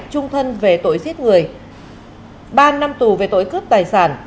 trung thân về tội giết người ba năm tù về tội cướp tài sản